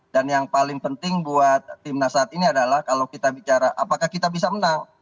dan yang paling penting buat tim nasional saat ini apakah kita bisa menang